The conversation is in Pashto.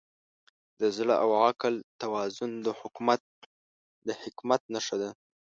د زړه او عقل توازن د حکمت نښه ده.